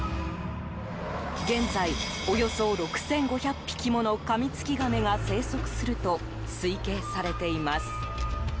現在、およそ６５００匹ものカミツキガメが生息すると推計されています。